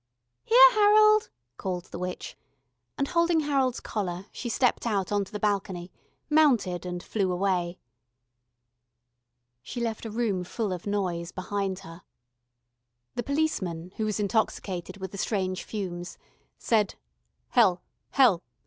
"Here, Harold," called the witch, and holding Harold's collar she stepped out on to the balcony, mounted, and flew away. She left a room full of noise behind her. The policeman, who was intoxicated with the strange fumes, said: "Hell. Hell.